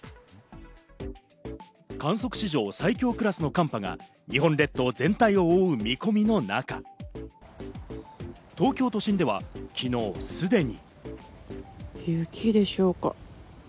観測史上最強クラスの寒波が日本列島全体を覆う見込みの中、東京都心では昨日、すでに。